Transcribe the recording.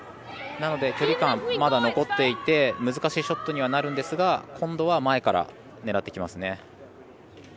なので、距離感まだ残っていて難しいショットにはなるんですが今度は前から狙ってきますね。